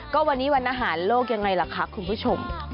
ก็วันนี้วันอาหารโลกยังไงล่ะคะคุณผู้ชม